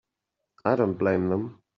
I don't blame them.